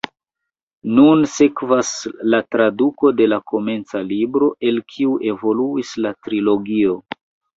Nun sekvas la traduko de la komenca libro, el kiu evoluis la trilogio.